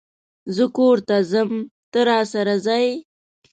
زه کور ته ځم ته، راسره ځئ؟